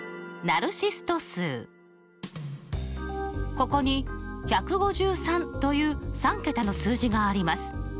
ここに１５３という３桁の数字があります。